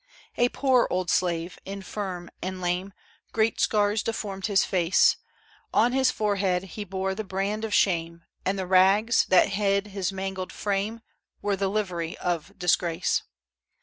A poor old slave, infirm and lame; Great scars deformed his face; On his forehead he bore the brand of shame, And the rags, that hid his mangled frame, Were the livery of disgrace.